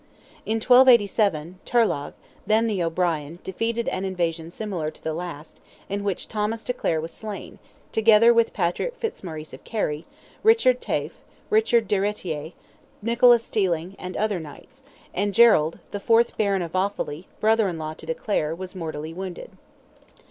In 1287, Turlogh, then the O'Brien, defeated an invasion similar to the last, in which Thomas de Clare was slain, together with Patrick Fitzmaurice of Kerry, Richard Taafe, Richard Deriter, Nicholas Teeling, and other knights, and Gerald, the fourth Baron of Offally, brother in law to de Clare, was mortally wounded.